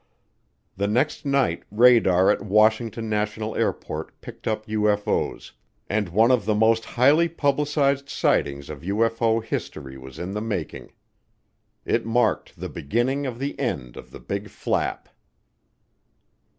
The next night radar at Washington National Airport picked up UFO's and one of the most highly publicized sightings of UFO history was in the making. It marked the beginning of the end of the Big Flap.